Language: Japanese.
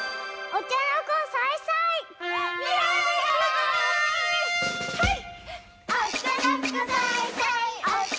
お茶の子さいさい！